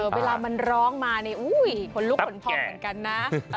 เวลามันร้องมานี่ขนลุกขนพองเหมือนกันนะ